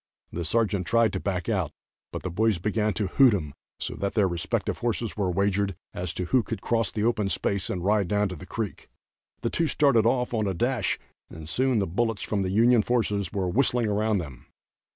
The sergeant tried to back out, but the boys began to hoot him so that their respective horses were wagered as to who could cross the open space and ride down to the creek. The two started off on a dash and soon the bullets from the Union forces were whistling around them.